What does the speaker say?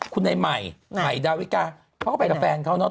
คุณไหนมัยไถ่ดาวิกาเพราะเขาไปกับแฟนเขาเนาะ